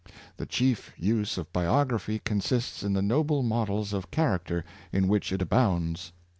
The chief use of biography consists in the noble models of character in which it abounds.